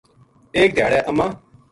ایک دھیاڑے اماں